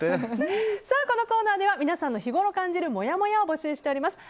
このコーナーでは皆さんの日ごろ感じるもやもやを募集しております。